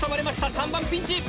３番ピンチ！